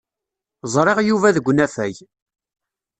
Ẓriɣ Yuba deg unafag.